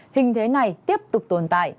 hình thế này tiếp tục tồn tại